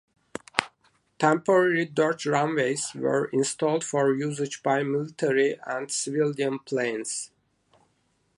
Temporary dirt runways were installed for usage by military and civilian planes.